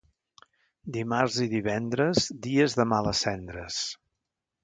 Dimarts i divendres, dies de males cendres.